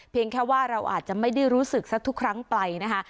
แค่ว่าเราอาจจะไม่ได้รู้สึกสักทุกครั้งไปนะคะ